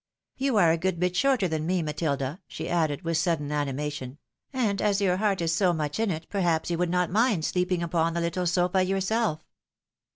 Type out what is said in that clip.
" You are a good bit shorter than me, Matilda," she added, with sudden anima tion, " and as your heart is so much in it, perhaps you would not mind sleeping upon the little sofa yourself."